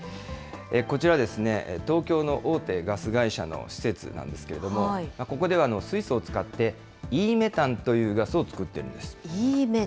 こちら、東京の大手ガス会社の施設なんですけれども、ここでは水素を使って、イーメタンというガスを作ってるんです。